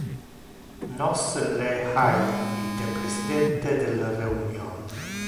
Nos le ha eligite presidente del reunion.